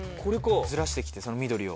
ずらしてきてその緑を。